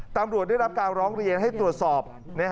ตำรวจได้รับการร้องเรียนให้ตรวจสอบ